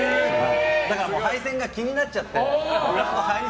だから配線が気になっちゃって。